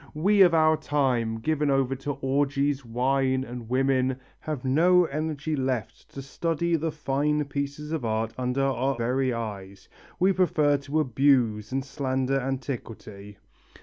We of our time, given over to orgies, wine and women, have no energy left to study the fine art pieces under our very eyes. We prefer to abuse and slander antiquity.